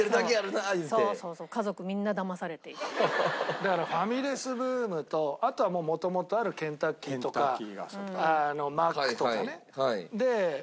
だからファミレスブームとあとは元々あるケンタッキーとかマックとかね色々あって。